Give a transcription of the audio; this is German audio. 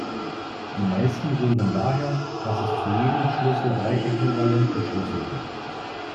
Die meisten rühren daher, dass es zu jedem Schlüssel drei äquivalente Schlüssel gibt.